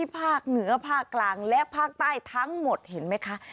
ภาคเหนือภาคกลางและภาคใต้ทั้งหมดเห็นไหมคะ